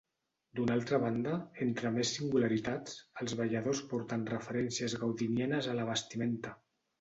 D'una altra banda, entre més singularitats, els balladors porten referències gaudinianes a la vestimenta.